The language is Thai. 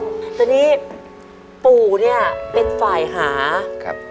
ตอนนี้ปู่เป็นฝ่ายหา